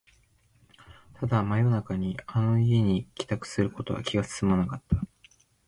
ただ、真夜中にあの家に帰宅することは気が進まなかった